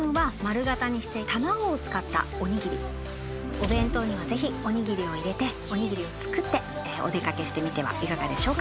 お弁当にはぜひおにぎりを入れておにぎりを作ってお出掛けしてみてはいかがでしょうか。